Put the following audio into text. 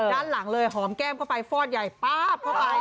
ด้านหลังเลยหอมแก้มเข้าไปฟอดใหญ่ป๊าบเข้าไป